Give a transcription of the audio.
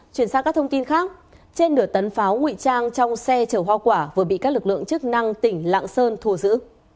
chuyển sang các thông tin khác trên nửa tấn pháo ngụy trang trong xe chở hoa quả vừa bị các lực lượng chức năng tỉnh lạng sơn thùa giữ